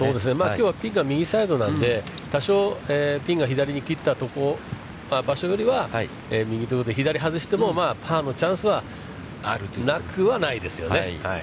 きょうはピンが右サイドなので、多少ピンが左に切ったとこ、場所よりは左を外してもパーのチャンスはなくはないですよね。